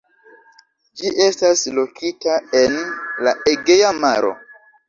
Ĝi estas lokita en la Egea Maro.